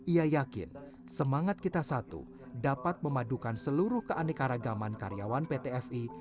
ia yakin semangat kita satu dapat memadukan seluruh keanekaragaman karyawan pt fi